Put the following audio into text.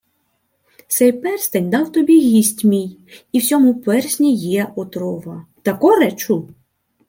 — Сей перстень дав тобі гість мій. І в сьому персні є отрова. Тако речу?